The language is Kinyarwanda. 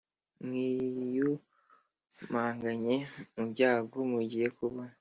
Mwiyumanganye mu byago mugiye kubona